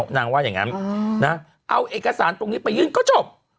นางว่าอย่างนั้นเอาเอกสารตรงนี้ไปยื่นก็จบ